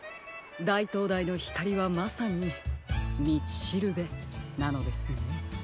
だいとうだいのひかりはまさに「みちしるべ」なのですね。